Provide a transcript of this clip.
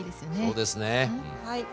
そうですね。